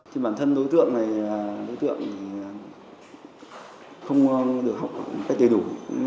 thì bản thân đối tượng này là đối tượng không được học một cách đầy đủ